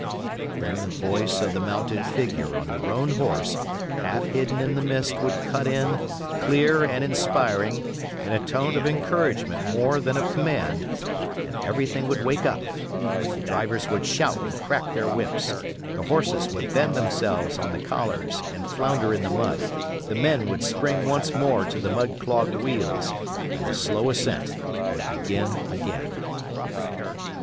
Then the voice of the mounted figure on the roan horse half hidden in the mist would cut in, clear and inspiring, in a tone of encouragement more than of command, and everything would wake up: the drivers would shout and crack their whips; the horses would bend themselves on the collars and flounder in the mud; the men would spring once more to the mud clogged wheels, and the slow ascent would begin again.